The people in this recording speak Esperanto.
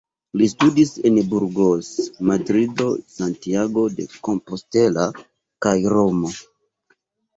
Li studis en Burgos, Madrido, Santiago de Compostela kaj Romo.